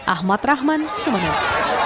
ahmad rahman sumeneb